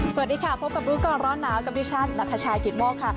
สวัสดีค่ะพบกับรู้ก่อนร้อนหนาวกับดิฉันนัทชายกิตโมกค่ะ